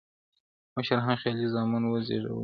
• مشر هم خیالي زامن وه زېږولي -